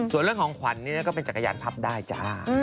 ส่วนเรื่องของขวัญก็เป็นจักรยานพับได้จ้า